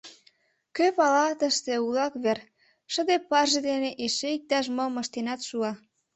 Кӧ пала, тыште улак вер, шыде парже дене эше иктаж-мом ыштенат шуа.